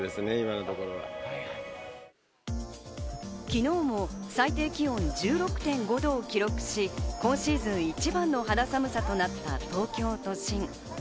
昨日も最低気温１６．５度を記録し、今シーズン一番の肌寒さとなった東京都心。